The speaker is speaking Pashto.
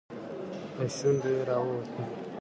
له شونډو يې راووتل.